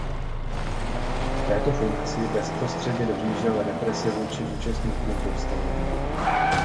V této funkci bezprostředně dohlížel na represe vůči účastníkům povstání.